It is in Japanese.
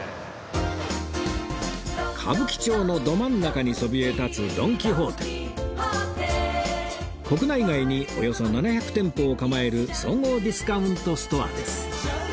歌舞伎町のど真ん中にそびえ立つ国内外におよそ７００店舗を構える総合ディスカウントストアです